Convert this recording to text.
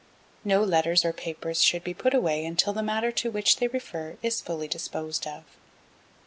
No letters or papers should be put away until the matter to which they refer is finally disposed of.